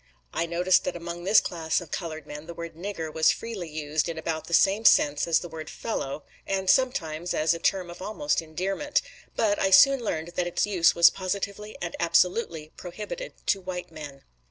I noticed that among this class of colored men the word "nigger" was freely used in about the same sense as the word "fellow," and sometimes as a term of almost endearment; but I soon learned that its use was positively and absolutely prohibited to white men.